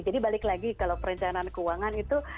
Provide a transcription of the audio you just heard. balik lagi kalau perencanaan keuangan itu